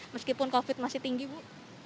meskipun covid masih tinggi bu